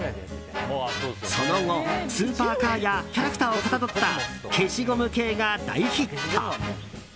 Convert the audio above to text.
その後、スーパーカーやキャラクターをかたどった消しゴム系が大ヒット。